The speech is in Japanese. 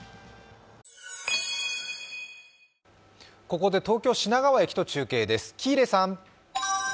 ここで東京・品川駅と中継です。